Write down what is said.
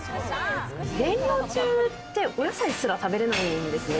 減量中って、お野菜すら食べれないですね。